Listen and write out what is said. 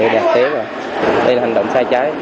đây là hành động sai trái